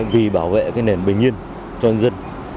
vì bảo vệ cái nền bình yên cho nhân dân